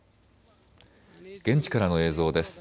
現地からの映像です。